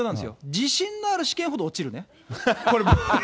自信のある試験ほど落ちるね。